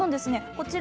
こちら